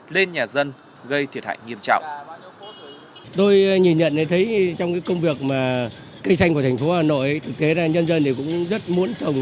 lên nhà dân gây thiệt hại nghiêm trọng